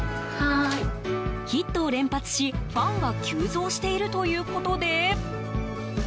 ヒットを連発し、ファンが急増しているということで。